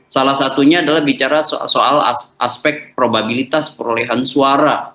salah satunya adalah bicara soal aspek probabilitas perolehan suara